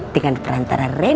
dengan perantara rena